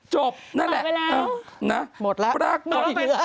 จบนั่นแหละนะปรากฏอีกนึงเหรอหมดแล้ว